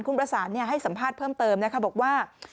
คุณปศาญให้สัมภาพเพิ่มเติมบอกว่า